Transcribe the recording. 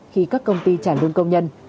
khi các công ty trả lương công nhân